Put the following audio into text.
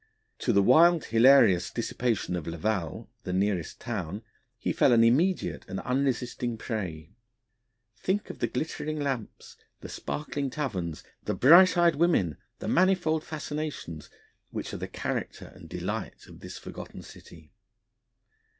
To the wild, hilarious dissipation of Laval, the nearest town, he fell an immediate and unresisting prey. Think of the glittering lamps, the sparkling taverns, the bright eyed women, the manifold fascinations, which are the character and delight of this forgotten city!